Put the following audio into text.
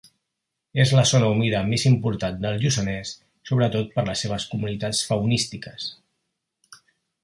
És la zona humida més important del Lluçanès, sobretot per les seves comunitats faunístiques.